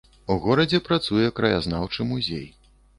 У горадзе працуе краязнаўчы музей.